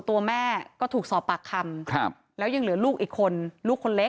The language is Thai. ตัวแม่ก็ถูกสอบปากคำครับแล้วยังเหลือลูกอีกคนลูกคนเล็ก